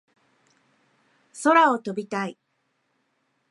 空を飛びたい